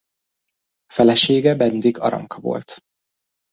Felesége Bendik Aranka volt.